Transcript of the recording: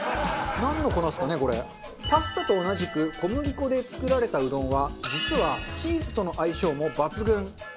パスタと同じく小麦粉で作られたうどんは実は、チーズとの相性も抜群。